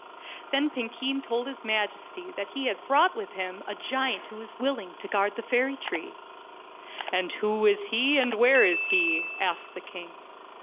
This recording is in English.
Then Piiikeen told his majesty that he had brought with him a giant who was willing to guard the fairy tree. "And who is he and where is he? " asked the king.